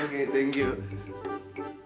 oke terima kasih